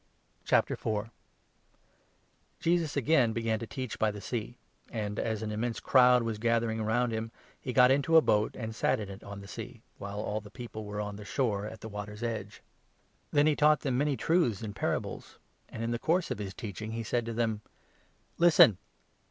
Parable Jesus again began to teach by the Sea ; and, i ^ of the sower. as an immense crowd was gathering round him, he got into a boat, and sat in it on the Sea, while all MARK, 4. 11 the people were on the shore at the water's edge. Then 2 he taught them many truths in parables ; and in the course of his teaching he said to them :" Listen